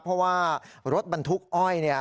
เพราะว่ารถบรรทุกอ้อยเนี่ย